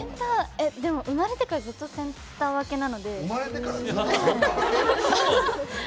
生まれてからずっとセンター分けなので。